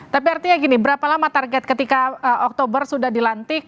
tapi artinya gini berapa lama target ketika oktober sudah dilantik